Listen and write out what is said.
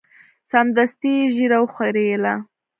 سمدستي یې ږیره وخریله.